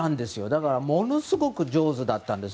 だからものすごく上手だったんです。